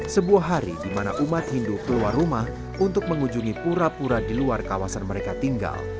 sebuah hari di mana umat hindu keluar rumah untuk mengunjungi pura pura di luar kawasan mereka tinggal